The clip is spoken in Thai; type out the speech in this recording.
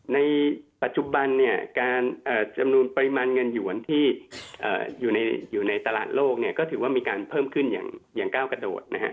ในปัจจุบันจำนวนปริมาณเงินหยวนที่อยู่ในตลาดโลกก็ถือว่ามีการเพิ่มขึ้นอย่างก้าวกระโดดนะฮะ